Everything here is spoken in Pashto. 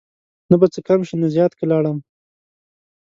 نه به څه کم شي نه زیات که لاړم